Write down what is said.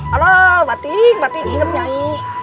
aduh batik batik inget nyai